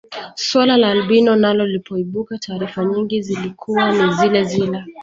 Swala la albino nalo lilipoibuka taarifa nyingi zilikuwa ni zilezile